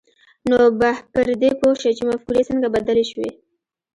نو به پر دې پوه شئ چې مفکورې څنګه بدلې شوې